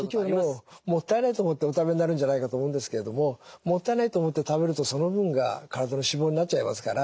もったいないと思ってお食べになるんじゃないかと思うんですけれどももったいないと思って食べるとその分が体の脂肪になっちゃいますから。